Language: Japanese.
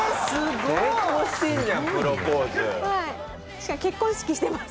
しかも結婚式してます。